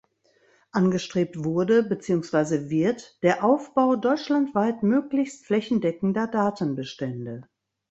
Angestrebt wurde beziehungsweise wird der Aufbau deutschlandweit möglichst flächendeckender Datenbestände.